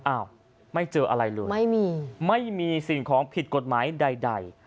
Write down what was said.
อ้าวไม่เจออะไรเลยไม่มีไม่มีสิ่งของผิดกฎหมายใด